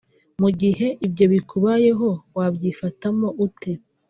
Mu gihe ibyo bikubayeho wabyifatamo ute